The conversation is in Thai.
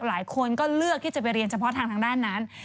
หลายคนก็เลือกที่จะไปเรียนเฉพาะทางด้านนั้น